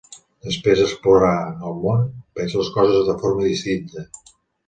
Després d'explorar el món veig les coses de forma distinta.